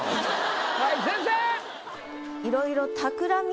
はい先生！